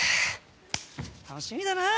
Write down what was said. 楽しみだなぁ！